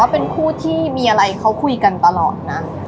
เป็นคู่ที่มีอะไรเขาคุยกันตลอดนะ